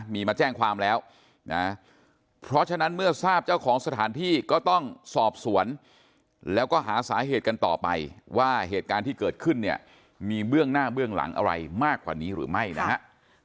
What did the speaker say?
มีมาแจ้งความแล้วนะเพราะฉะนั้นเมื่อทราบเจ้าของสถานที่ก็ต้องสอบสวนแล้วก็หาสาเหตุกันต่อไปว่าเหตุการณ์ที่เกิดขึ้นเนี่ยมีเบื้องหน้าเบื้องหลังอะไรมากกว่านี้หรือไม่นะฮะ